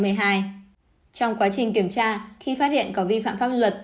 trong quá trình kiểm tra khi phát hiện có vi phạm pháp luật